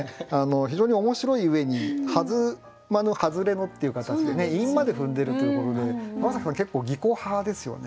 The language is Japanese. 非常に面白い上に「はずまぬ」「はずれの」っていう形で韻まで踏んでるということで山崎さん結構技巧派ですよね。